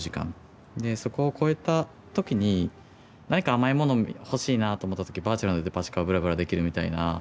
そこを超えた時に何か甘いもの欲しいなと思った時バーチャルなデパ地下をぶらぶらできるみたいな。